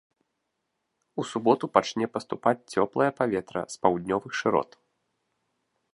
У суботу пачне паступаць цёплае паветра з паўднёвых шырот.